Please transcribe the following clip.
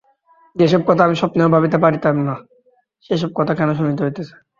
যে-সব কথা আমি স্বপ্নেও ভাবিতে পারিতাম না, সে-সব কথা কেন শুনিতে হইতেছে।